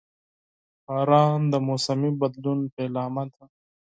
• باران د موسمي بدلون پیلامه ده.